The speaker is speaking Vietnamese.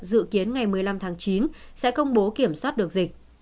dự kiến ngày một mươi năm tháng chín sẽ công bố kiểm soát được dịch